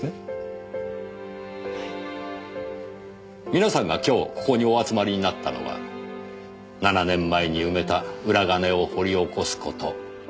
皆さんが今日ここにお集まりになったのは７年前に埋めた裏金を掘り起こす事。